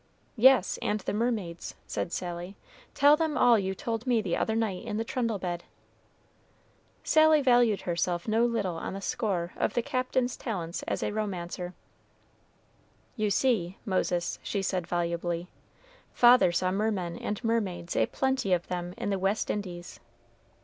"Yes, and the mermaids," said Sally. "Tell them all you told me the other night in the trundle bed." Sally valued herself no little on the score of the Captain's talent as a romancer. "You see, Moses," she said, volubly, "father saw mermen and mermaids a plenty of them in the West Indies."